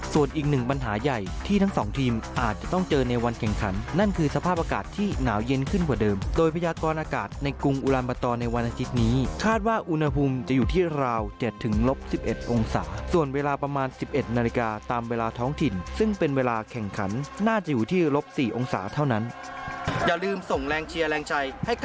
ส่วนอีกหนึ่งปัญหาใหญ่ที่ทั้งสองทีมอาจจะต้องเจอในวันแข่งขันนั่นคือสภาพอากาศที่หนาวเย็นขึ้นกว่าเดิมโดยพญากรอากาศในกรุงอุรันบัตรอในวันอาทิตย์นี้คาดว่าอุณหภูมิจะอยู่ที่ราว๗๑๑องศาส่วนเวลาประมาณ๑๑นาฬิกาตามเวลาท้องถิ่นซึ่งเป็นเวลาแข่งขันน่า